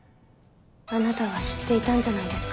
あなたは知っていたんじゃないですか？